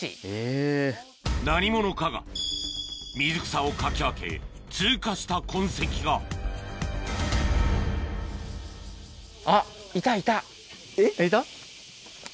何者かが水草をかき分け通過した痕跡がいた？